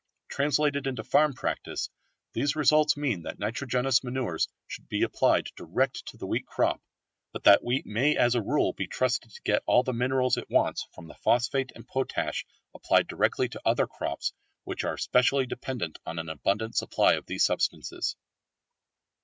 Translated into farm practice these results mean that nitrogenous manures should be applied direct to the wheat crop, but that wheat may as a rule be trusted to get all the minerals it wants from the phosphate and potash applied directly to other crops which are specially dependent on an abundant supply of these substances.